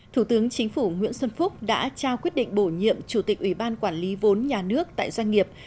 thủ tướng chính phủ nguyễn xuân phúc đã trao quyết định bổ nhiệm chủ tịch ủy ban quản lý vốn nhà nước tại doanh nghiệp